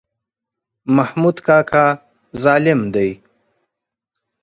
محمود کاکا ظالم دی.